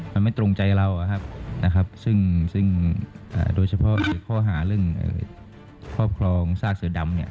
มันไม่ตรงใจเราซึ่งโดยเฉพาะข้อหาเรื่องครอบครองซากเสือดำ